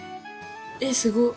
えっすごっ。